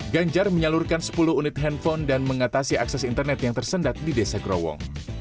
ganjar menyalurkan sepuluh unit handphone dan mengatasi akses internet yang tersendat di desa growong